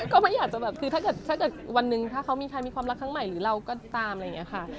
ก็ไม่อยากจะแบบคือถ้าเกิดวันหนึ่งถ้าเขามีใครมีความรักครั้งใหม่หรือเราก็ตามอะไรอย่างนี้ค่ะ